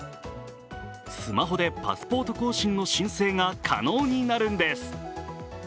スマホでパスポート更新の申請が可能になるんです。